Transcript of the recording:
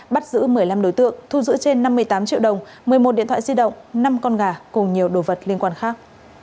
bắt giữ một mươi năm đối tượng thu giữ trên năm mươi tám triệu đồng một mươi một điện thoại di động năm con gà cùng nhiều đồ vật liên quan khác